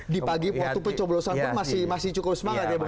di pagi waktu pencoblosan itu masih cukup semangat ya bang irfan ya